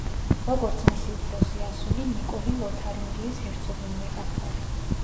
როგორც მისი უფროსი ასული, ნიკოლი ლოთარინგიის ჰერცოგინია გახდა.